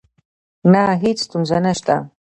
نه، هیڅ ستونزه نشته